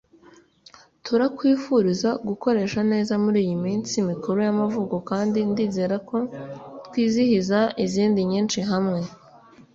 turakwifuriza gukoresha neza muriyi minsi mikuru y'amavuko, kandi ndizera ko twizihiza izindi nyinshi hamwe